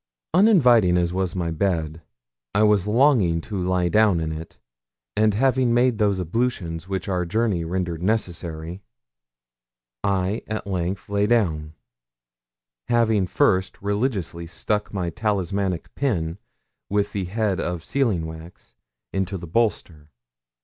Uninviting as was my bed, I was longing to lie down in it; and having made those ablutions which our journey rendered necessary, I at length lay down, having first religiously stuck my talismanic pin, with the head of sealing wax, into the bolster.